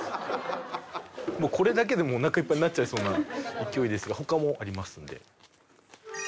これだけでもうおなかいっぱいになっちゃいそうな勢いですが他もありますので。